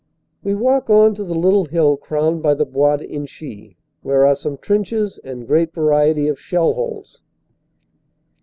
We walk on to the little hill crowned by the Bois d Inchy, where are some trenches and great variety of shell holes.